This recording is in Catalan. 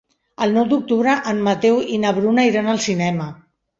El nou d'octubre en Mateu i na Bruna iran al cinema.